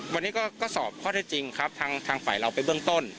วันนี้ก็สอบข้อได้จริงครับทางฝ่ายเราไปเบื้องต้น